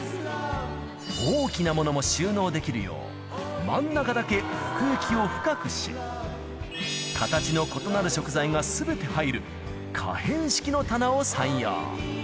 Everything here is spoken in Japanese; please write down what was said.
大きなものも収納できるよう、真ん中だけ奥行きを深くし、形の異なる食材がすべて入る可変式の棚を採用。